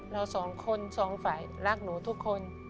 เราสองคนสองฝ่ายรักหนูทุกคน